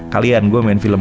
kalian gue main film